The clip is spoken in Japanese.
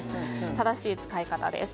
正しい使い方です。